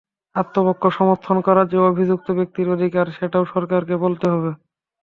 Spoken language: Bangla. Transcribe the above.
আত্মপক্ষ সমর্থন করা যে অভিযুক্ত ব্যক্তির অধিকার, সেটাও সরকারকে বলতে হবে।